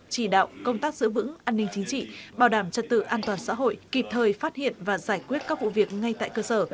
chỉ đạo công tác giữ vững an ninh chính trị bảo đảm trật tự an toàn xã hội kịp thời phát hiện và giải quyết các vụ việc ngay tại cơ sở